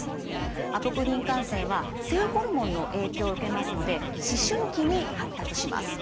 アポクリン汗腺は性ホルモンの影響を受けますので思春期に発達します。